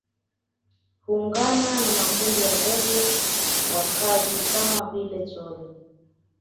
Huungana na makundi ya ndege wakazi kama vile chole